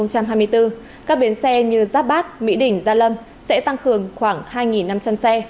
các bến xe như giáp bát mỹ đỉnh gia lâm sẽ tăng cường khoảng hai năm trăm linh xe